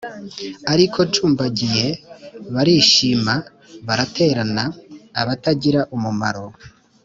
Ariko ncumbagiye barishima baraterana, abatagira umumaro